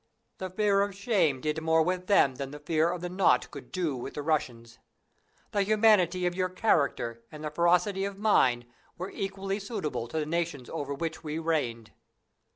The fear of shame did more with them than the fear of the knout could do with the Russians. The humanity of your character and the ferocity of mine were equally suitable to the nations over which we reigned.